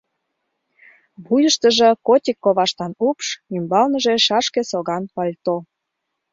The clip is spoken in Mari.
Вуйыштыжо котик коваштан упш, ӱмбалныже шашке соган пальто.